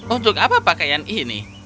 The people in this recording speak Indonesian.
untuk apa pakaian ini